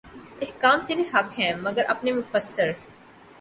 احکام ترے حق ہیں مگر اپنے مفسر